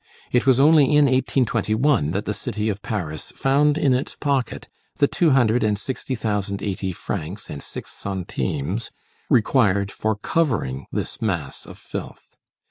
It was only in 1821 that the city of Paris found in its pocket the two hundred and sixty thousand eighty francs and six centimes required for covering this mass of filth.